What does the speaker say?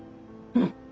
うん。